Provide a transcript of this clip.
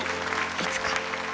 いつか。